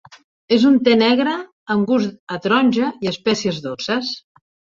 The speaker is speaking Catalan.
És un te negre amb gust a taronja i espècies dolces.